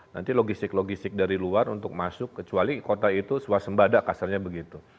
nanti logistik logistik dari luar untuk masuk kecuali kota itu suasembada kasarnya begitu